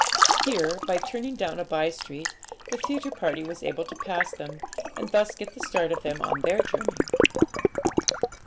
Here, by turning down a by street, the theatre party was able to pass them, and thus get the start of them on their journey.